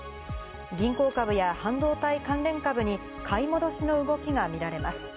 銀行株や半導体関連株に買い戻しの動きがみられます。